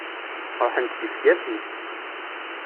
Ruḥent gefgafi!